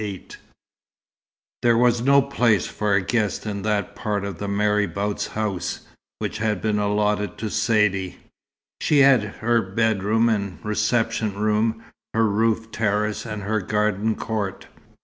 XXXVIII There was no place for a guest in that part of the marabout's house which had been allotted to Saidee. She had her bedroom and reception room, her roof terrace, and her garden court.